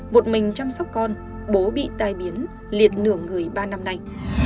một mình chăm sóc con bố bị tai biến liệt nửa người ba năm nay